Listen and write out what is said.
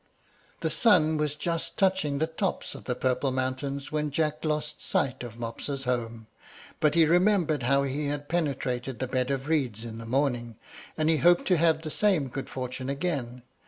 The sun was just touching the tops of the purple mountains when Jack lost sight of Mopsa's home; but he remembered how he had penetrated the bed of reeds in the morning, and he hoped to have the same good fortune again.